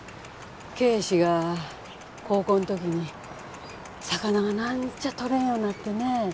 啓示が高校ん時に魚がなんちゃとれんようになってね